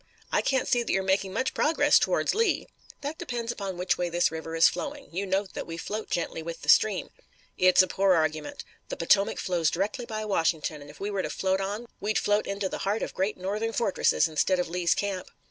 I can't see that you're making much progress towards Lee." "That depends upon which way this river is flowing. You note that we float gently with the stream." "It's a poor argument. The Potomac flows directly by Washington, and if we were to float on we'd float into the heart of great Northern fortresses instead of Lee's camp."